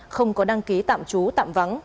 không có đăng ký tạm trú tạm vắng